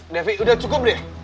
devi udah cukup deh